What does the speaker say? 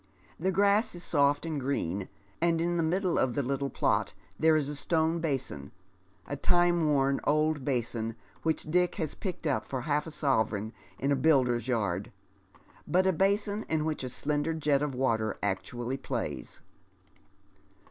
The grass is soft and green, and in the middle of the little plot tiiere is a stone basin — a timewom old biisin which Dick has picked up for half a sovereign in a builder's yard, but a basin in which a slender jet of water actually plays.